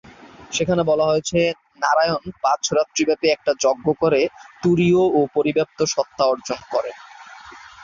সেখানে বলা হয়েছে, নারায়ণ পাঁচ রাত্রি ব্যাপী একটি যজ্ঞ করে তুরীয় ও পরিব্যাপ্ত সত্ত্বা অর্জন করেন।